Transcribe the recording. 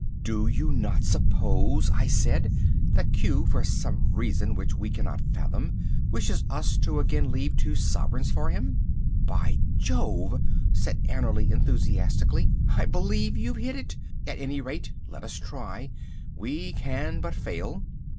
"Do you not suppose," I said, "that Q for some reason which we cannot fathom, wishes us to again leave two sovereigns for him?" "By Jove!" said Annerly enthusiastically, "I believe you've hit it. At any rate, let us try; we can but fail."